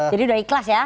jadi sudah ikhlas ya